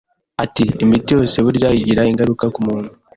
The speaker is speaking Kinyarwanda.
Ati Imiti yose burya igira ingaruka ku muntu